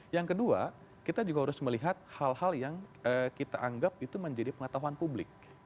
yang kedua kita juga harus melihat hal hal yang kita anggap itu menjadi pengetahuan publik